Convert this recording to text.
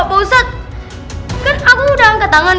loh pak ustaz kan aku udah angkat tangan